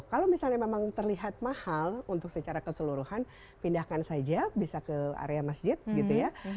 kalau misalnya memang terlihat mahal untuk secara keseluruhan pindahkan saja bisa ke area masjid gitu ya